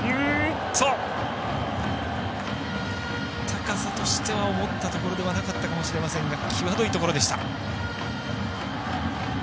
高さとしては思ったところではなかったかもしれませんが際どいところでした。